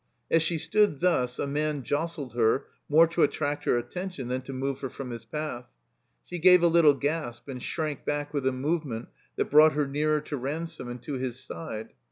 As she stood thus a man jostled her, more to attract her attention than to move her from his path. She gave a little gasp and shrank back with a movement that brought her nearer to Ransome and to his side.